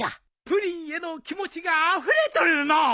プリンへの気持ちがあふれとるのう。